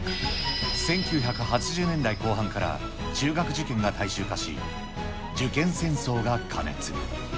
１９８０年代後半から、中学受験が大衆化し、受験戦争が過熱。